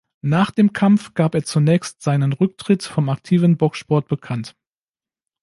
Nach dem Kampf gab er zunächst seinen Rücktritt vom aktiven Boxsport bekannt.